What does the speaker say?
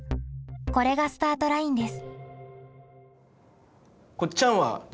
これがスタートラインです。